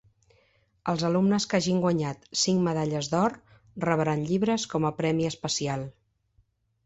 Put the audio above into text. Els alumnes que hagin guanyat cinc medalles d'or rebran llibres com a premi especial.